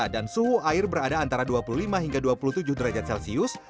dan suhu air berada antara dua puluh lima hingga dua puluh tujuh derajat celcius